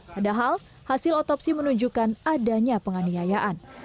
padahal hasil otopsi menunjukkan adanya penganiayaan